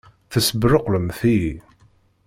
Tessebṛuqlemt-iyi!